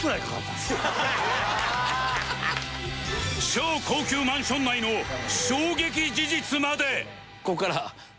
超高級マンション内の衝撃事実まで！